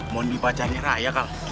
mondi pacarnya raya kau